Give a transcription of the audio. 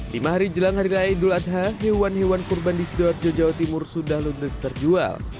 lima hari jelang hari lain dul adha hewan hewan kurban di segera jawa timur sudah luntas terjual